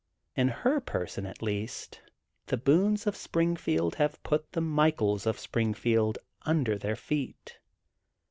In her person at least, the Boones of Springfield have put the Michaels of Springfield under their feet.